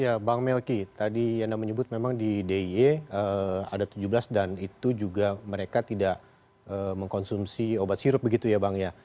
ya bang melki tadi anda menyebut memang di d i e ada tujuh belas dan itu juga mereka tidak mengkonsumsi obat sirup begitu ya bang ya